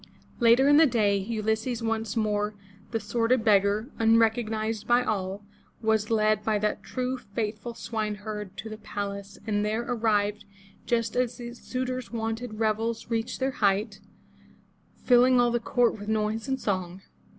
Later in the day, Ulysses, once more the sordid beggar, un recognized by all, was led by that true, faithful swineherd to the palace, and there arrived just as the suitors' wonted revels reached their height, filling all the court with noise and song.